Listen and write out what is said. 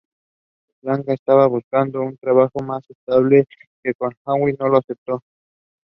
The temples across the city attract pilgrims.